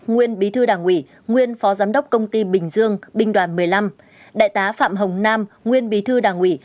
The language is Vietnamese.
nguyên bí thư đảng ủy nguyên phó giám đốc công ty bình dương binh đoàn một mươi năm đại tá phạm hồng nam nguyên bí thư đảng ủy